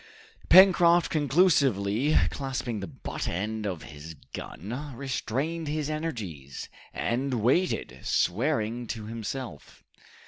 Pencroft, convulsively clasping the butt end of his gun, restrained his energies, and waited, swearing to himself.